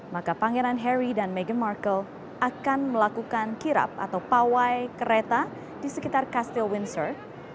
maka pangeran harry dan meghan markle akan melakukan kirap atau pawai kereta di sekitar castle windsor